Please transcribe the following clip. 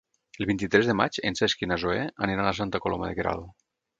El vint-i-tres de maig en Cesc i na Zoè aniran a Santa Coloma de Queralt.